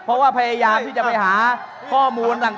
เพราะว่าพยายามที่จะไปหาข้อมูลต่าง